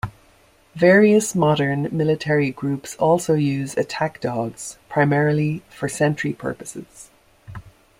Various modern military groups also use attack dogs, primarily for sentry purposes.